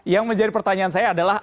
yang menjadi pertanyaan saya adalah